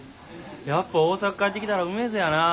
やっぱ大阪帰ってきたらうめづやなぁ。